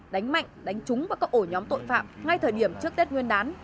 đánh mạnh đánh trúng vào các ổ nhóm tội phạm ngay thời điểm trước tết nguyên đán